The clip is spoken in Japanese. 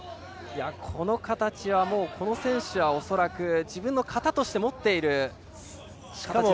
この形は、この選手は恐らく、自分の型として持っている形ですね。